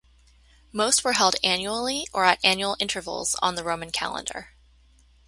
Most were held annually or at annual intervals on the Roman calendar.